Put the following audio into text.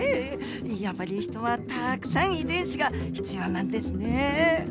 やっぱりヒトはたくさん遺伝子が必要なんですね。